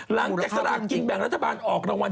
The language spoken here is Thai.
หลังจักษรากิงแบ่งรัฐบาลออกรางวัล